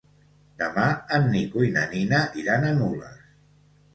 Demà en Nico i na Nina iran a Nules.